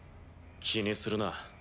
気にするな。